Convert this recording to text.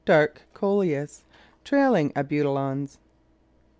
Dark Coleus. Trailing Abutilons.